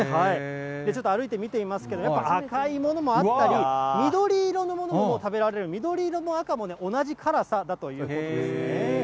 ちょっと歩いてみてみますけれども、やっぱ赤いものもあったり、緑色のものももう食べられる、緑色も赤も、同じ辛さだということなんですね。